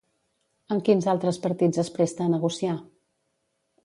Amb quins altres partits es presta a negociar?